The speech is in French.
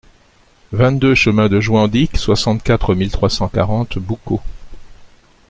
vingt-deux chemin de Jouandic, soixante-quatre mille trois cent quarante Boucau